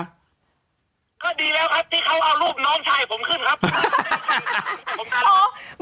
ก็ดีแล้วครับที่เขาเอารูปน้องชายผมขึ้นครับ